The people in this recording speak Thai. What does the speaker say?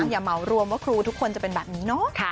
อย่าเหมารวมว่าครูทุกคนจะเป็นแบบนี้เนาะ